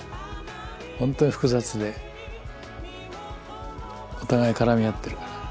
本当に複雑でお互い絡み合ってるから。